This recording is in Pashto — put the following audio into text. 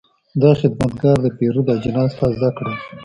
دا خدمتګر د پیرود اجناس تازه کړل.